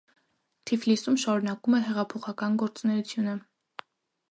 Թիֆլիսում շարունակում է հեղափոխական գործունեությունը։